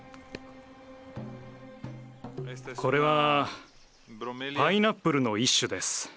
これはパイナップルの一種です。